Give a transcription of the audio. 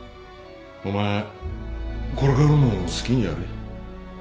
お前これからも好きにやれ